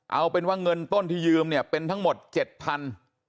เอาเป็นว่าเงินต้นที่ยืมเนี่ยเป็นทั้งหมด๗๐๐บาท